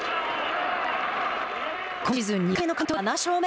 今シーズン２回目の完投で７勝目。